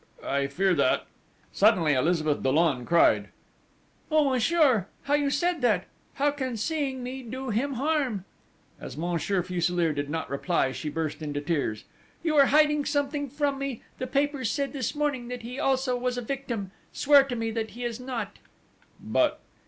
I fear that!..." Suddenly Elizabeth Dollon cried: "Oh, monsieur, how you said that! How can seeing me do him harm?" As Monsieur Fuselier did not reply, she burst into tears: "You are hiding something from me! The papers said this morning that he also was a victim! Swear to me that he is not?" "But